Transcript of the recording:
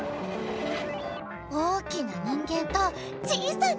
大きな人間と小さな人間。